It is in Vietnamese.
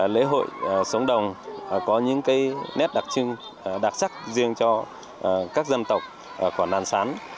lễ hội súng đồng có những nét đặc trưng đặc sắc riêng cho các dân tộc của nàn sán